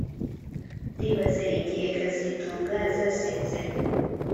Ndibaza igihe kazitunga azasezera